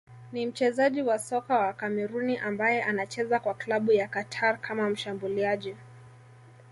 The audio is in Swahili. ni mchezaji wa soka wa Kameruni ambaye anacheza kwa klabu ya Qatar kama mshambuliaji